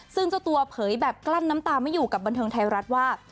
ซึ่งเจ้าตัวเผยแบบกลั้นน้ำตาไม่อยู่กับบันเทิงไทยรัฐว่า